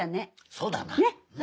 そうだな。